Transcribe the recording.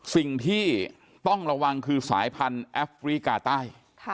สิ่งที่ต้องระวังคือสายพันธุ์แอฟริกาใต้